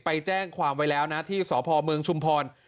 ไปแจ้งความไว้แล้วนะที่สพเมืองชุมพร